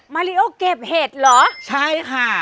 ริโอเก็บเห็ดเหรอใช่ค่ะ